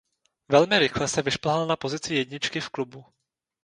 Velmi rychle se vyšplhal na pozici jedničky v klubu.